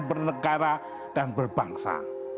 bernegara dan berbangsa